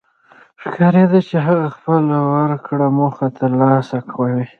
ښکارېده چې هغه خپله ورکړه موخه تر لاسه کوي.